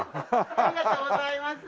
ありがとうございます。